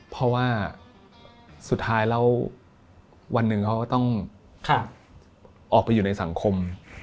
เพราะว่าสุดท้ายแล้ววันหนึ่งเขาก็ต้องออกไปอยู่ในสังคม